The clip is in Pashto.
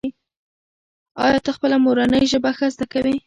ایا ته خپله مورنۍ ژبه ښه زده کوې؟